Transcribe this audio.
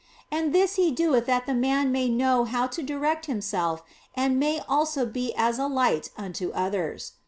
And this He doeth that the man may know how to direct himself and may also be as a light unto others.